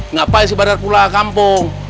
ngapain si badar pula kampung